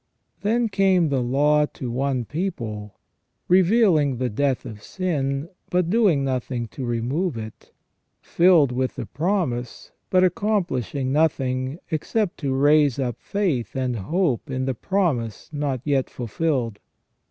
Then came the law to one people, revealing the death THE RESTORATION OF MAN. 321 of sin, but doing nothing to remove it ; filled with the promise, but accomplishing nothing, except to raise up faith and hope in the promise not yet fulfilled.